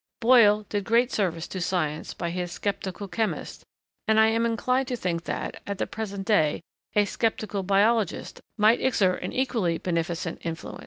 Boyle did great service to science by his 'Sceptical Chemist,' and I am inclined to think that, at the present day, a 'Sceptical Biologist' might exert an equally beneficent influence.